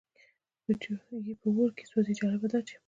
یې په اور کې وسوځي، جالبه لا دا چې.